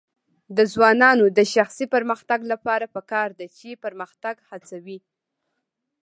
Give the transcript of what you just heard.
د ځوانانو د شخصي پرمختګ لپاره پکار ده چې پرمختګ هڅوي.